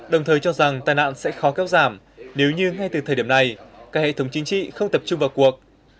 đồng thời cho rằng tai nạn sẽ khó kéo giảm nếu như ngay từ thời điểm này các hệ thống chính trị không tập trung vào cuộc